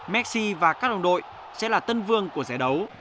messi và các đồng đội sẽ là tân vương của giải đấu